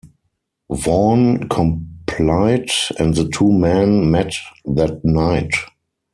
Vaughn complied, and the two men met that night.